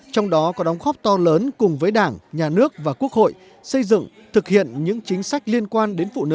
trong đó có đóng góp to lớn cùng với đảng nhà nước và quốc hội xây dựng thực hiện những chính sách liên quan đến phụ nữ